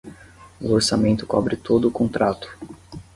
O orçamento cobre todo o contrato.